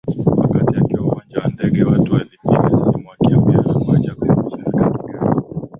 Wakati akiwa uwanja wa ndege watu walipiga simu wakiambiana kuwa Jacob ameshafika Kigali